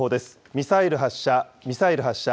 ミサイル発射、ミサイル発射。